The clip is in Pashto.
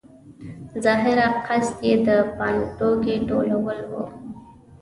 ظاهراً قصد یې د پاټکونو ټولول وو.